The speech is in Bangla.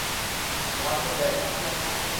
তোমার কোন ব্যাকআপ প্ল্যান নেই?